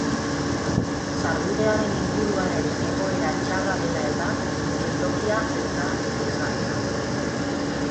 Sarbidearen inguruaren egoera txarra dela eta, geltokia ez da irisgarria.